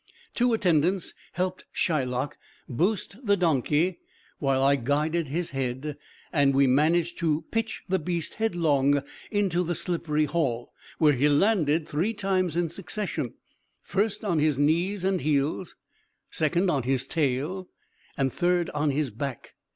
Two attendants helped Shylock boost the donkey while I guided his head, and we managed to pitch the beast headlong into the slippery hall, where he landed three times in succession first, on his knees and heels, second, on his tail, and third, on his back.